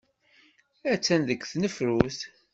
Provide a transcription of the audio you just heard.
Attan deg tnefrut.